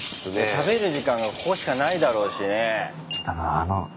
食べる時間がここしかないだろうしね。